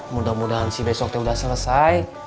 mudah mudahan si besoknya udah selesai